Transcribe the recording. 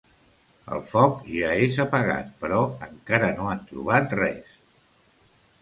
El foc ja és apagat, però encara no han trobat res.